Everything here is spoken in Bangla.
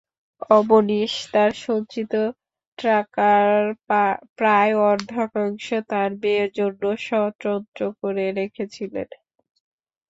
অবনীশ তাঁর সঞ্চিত টাকার প্রায় অর্ধাংশ তাঁর মেয়ের জন্যে স্বতন্ত্র করে রেখেছিলেন।